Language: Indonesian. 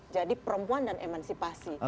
jadi perempuan dan emancipasi